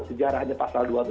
sejarahnya pasal dua itu